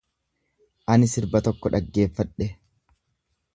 Ani sirba tokko dhaggeeffadhe.